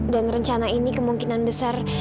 dan rencana ini kemungkinan besar